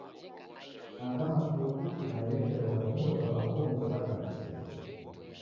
Agha matuku maeleshero gha vindo va w'akongo ghaghalusiro.